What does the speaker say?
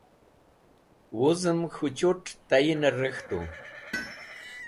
wuz'em k̃hu chut tayin'er rek̃htu